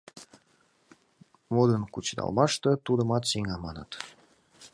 Модын кучедалмаште тудымат сеҥа, маныт.